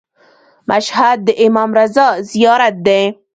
مشهد د امام رضا زیارت دی.